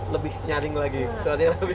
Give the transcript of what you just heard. lebih nyaring lagi sehari lebih